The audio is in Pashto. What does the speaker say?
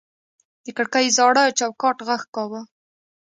د کړکۍ زاړه چوکاټ غږ کاوه.